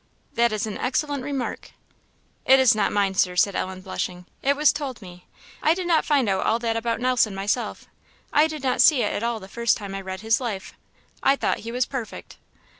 "That is an excellent remark." "It is not mine, Sir," said Ellen, blushing; "it was told me; I did not find out all that about Nelson, myself; I did not see it all the first time I read his life; I thought he was perfect."